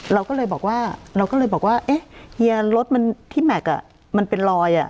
เราก็เลยบอกว่าเราก็เลยบอกว่าเอ๊ะเฮียรถมันที่แม็กซ์มันเป็นรอย